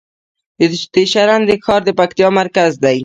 د شرن ښار د پکتیکا مرکز دی